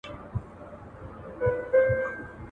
سازمانونه به د بې عدالتۍ مخنیوی کوي.